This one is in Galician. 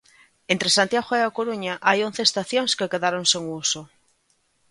Entre Santiago e A Coruña hai once estacións que quedaron sen uso.